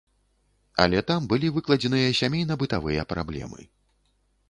Але там былі выкладзеныя сямейна-бытавыя праблемы.